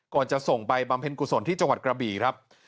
จะส่งไปบำเพ็ญกุศลที่จังหวัดกระบี่ครับ